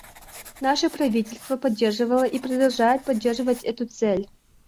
Наше правительство поддерживало и продолжает поддерживать эту цель.